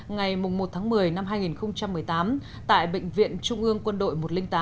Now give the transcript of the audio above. ngày một tháng một mươi năm hai nghìn một mươi tám tại bệnh viện trung ương quân đội một trăm linh tám